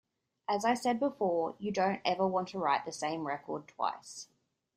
As I said before, you don't ever want to write the same record twice.